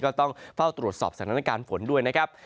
ต้องเฝ้าตรวจสอบสถานการณ์ฝนด้วยนะครับ